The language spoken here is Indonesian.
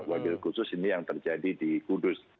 wabil khusus ini yang terjadi di kudus